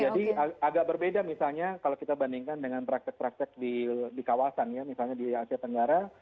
jadi agak berbeda misalnya kalau kita bandingkan dengan praktek praktek di kawasan ya misalnya di asia tenggara